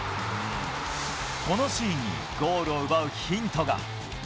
このシーンに、ゴールを奪うヒントが。